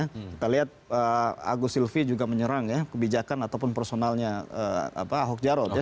kita lihat agus silvi juga menyerang ya kebijakan ataupun personalnya ahok jarot ya